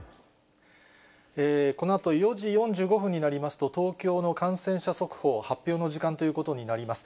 このあと、４時４５分になりますと、東京の感染者速報、発表の時間ということになります。